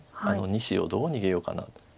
あの２子をどう逃げようかな。